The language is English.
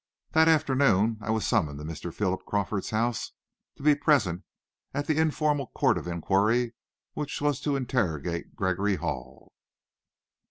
That afternoon I was summoned to Mr. Philip Crawford's house to be present at the informal court of inquiry which was to interrogate Gregory Hall.